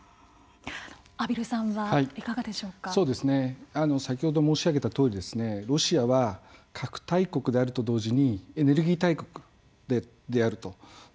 畔蒜さんは先ほど申し上げたとおりロシアは核大国であると同時にエネルギー大国であると。